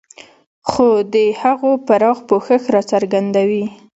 خو د هغو پراخ پوښښ دا څرګندوي.